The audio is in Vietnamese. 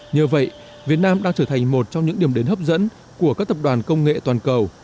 nhờ vậy việt nam đang trở thành một trong những điểm đến hấp dẫn của các tập đoàn công nghệ toàn cầu